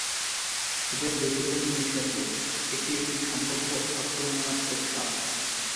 এদের বেশিরভাগই নিশাচর, এটি একটি সম্ভাব্য আক্রমণাত্মক সাপ।